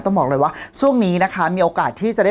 ต้องบอกเลยว่าช่วงนี้นะคะมีโอกาสที่จะได้